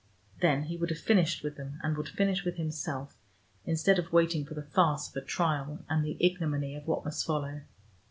Then he would have finished with them, and would finish with himself, instead of waiting for the farce of a trial, and the ignominy of what must follow.